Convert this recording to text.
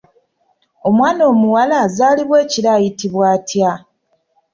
Omwana omuwala azaalibwa ekiro ayitibwa atya?